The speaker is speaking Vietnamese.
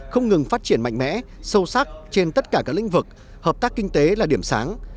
không ngừng phát triển mạnh mẽ sâu sắc trên tất cả các lĩnh vực hợp tác kinh tế là điểm sáng